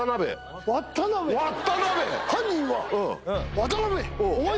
渡辺！